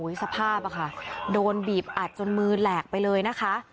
ซึ่งก็ช่วยมือออกมาได้แต่ว่าสภาพโดนบีบอัดจนมือแหลกไปเลยนะคะ